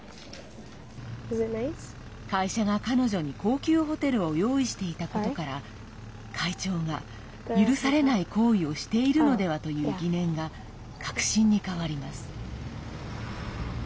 会社が彼女に高級ホテルを用意していたことから会長が、許されない行為をしているのではという疑念が確信に変わります。